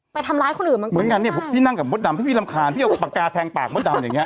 ไปทำร้ายคนอื่นเหมือนกันเนี่ยพี่นั่งกับมดดำพี่รำคาญพี่เอาปากกาแทงปากมดดำอย่างเงี